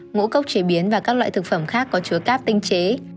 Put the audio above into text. ngũ cốc chế biến và các loại thực phẩm khác có chứa cáp tinh chế